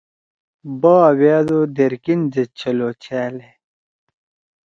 با ویأ دو درکین زین چھلو چھیألے؟